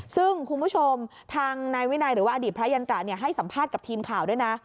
คุณผู้ชมหรืออดีตพระยัญตะให้สัมภาษณ์กับทีมข่าว